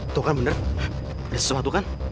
tuh kan bener ada sesuatu kan